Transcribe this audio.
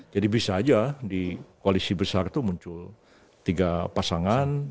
jadi bisa aja di koalisi besar itu muncul tiga pasangan